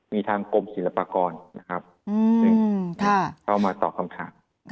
มีทางกรมศิลปากรซึ่งเข้ามาตอบคำถาม